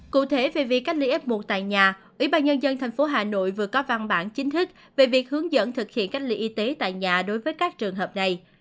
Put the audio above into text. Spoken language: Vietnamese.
cụ thể về việc cách ly f một tại nhà ủy ban nhân dân tp hà nội vừa có văn bản chính thức về việc hướng dẫn thực hiện cách ly y tế tại nhà đối với các trường hợp này